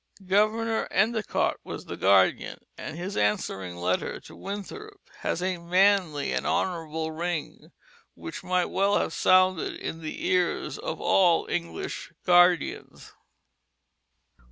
Governor Endicott was the guardian and his answering letter to Winthrop has a manly and honorable ring which might well have sounded in the ears of all English guardians.